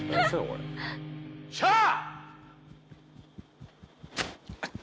しゃあ！